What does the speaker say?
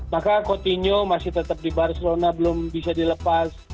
maka coutinho masih tetap di barcelona belum bisa dilepas